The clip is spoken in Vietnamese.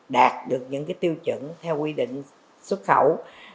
đạt được những tiêu chuẩn theo quy định xuất khẩu